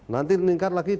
nanti meningkat lagi